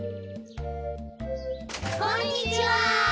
こんにちは！